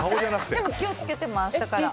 でも、気を付けてます、だから。